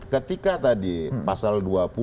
ketika tadi pasal